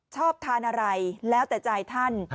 ชอบทานอะไรแล้วแต่ใจท่าน